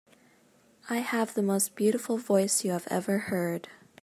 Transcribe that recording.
I have the most beautiful voice you have ever heard.